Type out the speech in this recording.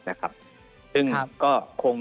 นะครับซึ่งก็คง